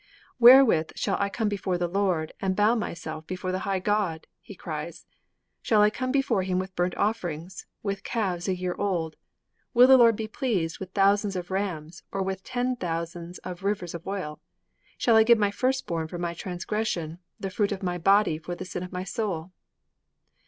'_Wherewith shall I come before the Lord and bow myself before the high God?' he cries. 'Shall I come before Him with burnt offerings, with calves a year old? Will the Lord be pleased with thousands of rams or with ten thousands of rivers of oil? Shall I give my firstborn for my transgression, the fruit of my body for the sin of my soul?